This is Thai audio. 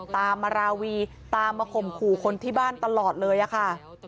ตามมาราวีตามมาข่มขู่คนที่บ้านตลอดเลยอะค่ะ